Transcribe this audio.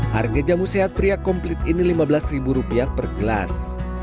harga jamu sehat pria komplet ini lima belas rupiah per gelas